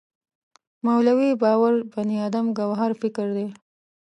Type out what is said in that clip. مولوی باور بني ادم ګوهر فکر دی.